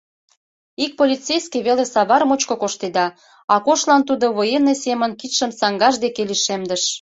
Ик полицейский веле савар мучко коштеда, Акошлан тудо военный семын кидшым саҥгаж деке лишемдыш.